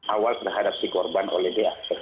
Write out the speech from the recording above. awal terhadap si korban oleh dar